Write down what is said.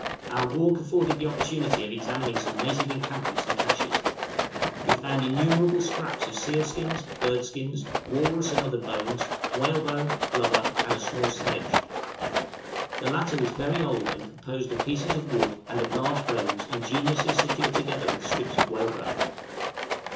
Our walk afforded the opportunity of examining some native encampments and câches. We found innumerable scraps of seal skins, bird skins, walrus and other bones, whalebone, blubber, and a small sledge. The latter was very old, and composed of pieces of wood and of large bones ingeniously secured together with strips of whalebone.